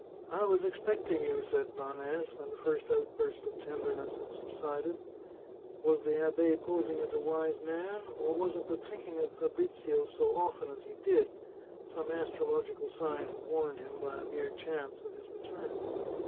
" I was expecting you," said Blanes when the first out burst of tenderness had subsided. Was the abbe posing as a wise man, or was it that thinking of Fabrizio so often as he did, some astrological sign had warned him, by a mere chance, of his return